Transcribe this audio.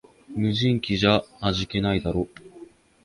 無人機じゃ味気ないだろ